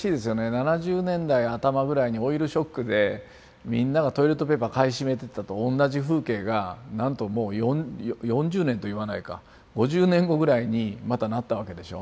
７０年代頭ぐらいにオイルショックでみんながトイレットペーパー買い占めてたのと同じ風景がなんともう４０年といわないか５０年後ぐらいにまたなったわけでしょ。